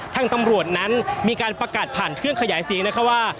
ทางตำรวจนั้นมีการประกาศผ่านเครื่องขยายเสียงนะคะว่า